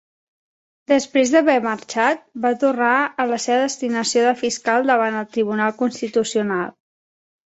Després d'haver marxat, va tornar a la seva destinació de Fiscal davant el Tribunal Constitucional.